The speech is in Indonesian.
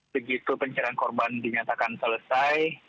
begitu pencarian korban dinyatakan selesai